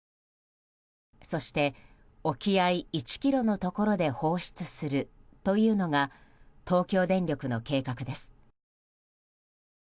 そして、沖合１ｋｍのところで放出するというのが東京電力の計画です。